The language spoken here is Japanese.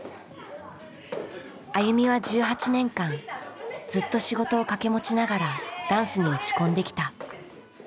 ＡＹＵＭＩは１８年間ずっと仕事を掛け持ちながらダンスに打ち込んできた。